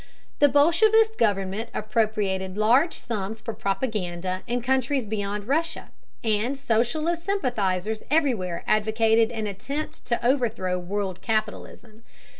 The bolshevist government appropriated large sums for propaganda in countries beyond Russia, and socialist sympathizers everywhere advocated an attempt to overthrow "world capitalism."